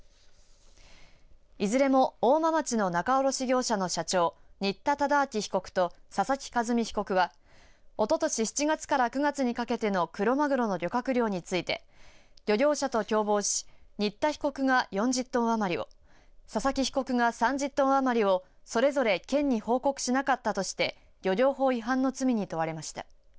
いずれも大間町の仲卸業者の社長新田忠明被告と佐々木一美被告はおととし７月から９月にかけてのクロマグロの漁獲量について漁業者と共謀し、新田被告が４０トン余りを佐々木被告が３０トン余りをそれぞれ県に報告しなかったとして漁業法違反の罪に問われました。